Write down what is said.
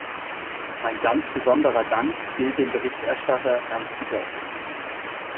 Mein ganz besonderer Dank gilt dem Berichterstatter, Herrn Cutaş.